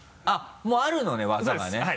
あっもうあるのね技がね。